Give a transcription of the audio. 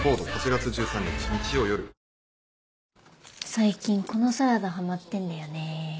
最近このサラダはまってんだよね。